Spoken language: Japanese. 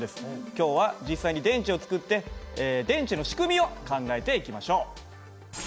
今日は実際に電池を作って電池の仕組みを考えていきましょう。